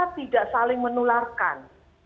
tidak saling menularkan